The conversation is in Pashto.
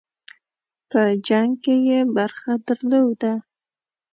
په جنګ کې یې برخه درلوده.